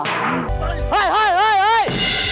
เฮ่ย